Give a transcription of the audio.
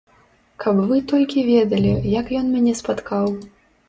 Каб вы толькі ведалі, як ён мяне спаткаў!